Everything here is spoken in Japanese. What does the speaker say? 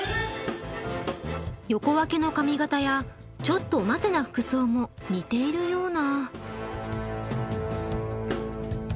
横分けの髪形やちょっとおませな服装も似ているような。